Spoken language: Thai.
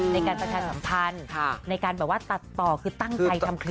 ในการประกาศสัมพันธ์ในการตัดต่อคือตั้งใครทำคลีย์